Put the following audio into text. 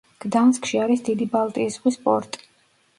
გდანსკში არის დიდი ბალტიის ზღვის პორტი.